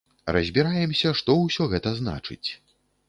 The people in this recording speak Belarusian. Разбіраемся, што ўсё гэта значыць.